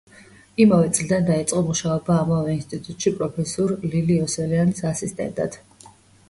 იმავე წლიდან დაიწყო მუშაობა ამავე ინსტიტუტში პროფესორ ლილი იოსელიანის ასისტენტად.